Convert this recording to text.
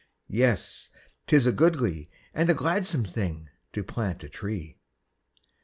Yes, 'tis a goodly, and a gladsome thing To plant a tree.